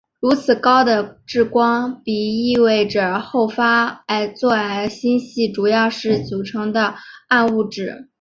如此高的质光比意味着后发座矮星系主要的组成是暗物质。